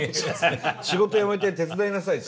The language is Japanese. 仕事辞めて手伝いなさいと。